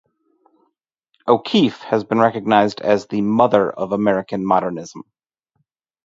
O'Keeffe has been recognized as the "Mother of American modernism".